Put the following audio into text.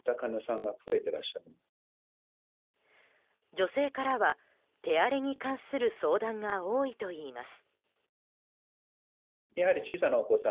女性からは、手荒れに関する相談が多いといいます。